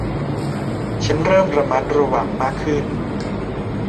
ฉันเริ่มระมัดระวังมากขึ้น